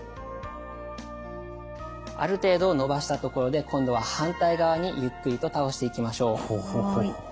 ある程度伸ばしたところで今度は反対側にゆっくりと倒していきましょう。